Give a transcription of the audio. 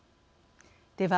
では